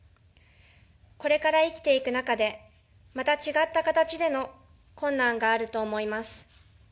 これから生きていく中でまた違った形での困難があると思います。